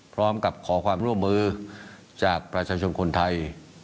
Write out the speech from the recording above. พร้อมกับขอความร่วมมือจากประชาชนคนไทย